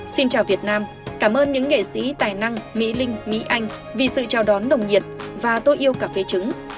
xin chào việt nam cảm ơn những nghệ sĩ tài năng mỹ linh mỹ anh vì sự chào đón nồng nhiệt và tôi yêu cà phê trứng